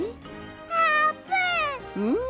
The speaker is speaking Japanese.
あーぷん！